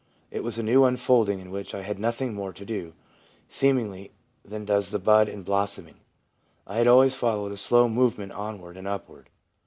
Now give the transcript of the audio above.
It was a new unfolding in which I had nothing more to do, seemingly, than does the bud in blossoming. I had always followed a slow movement onward and upward.'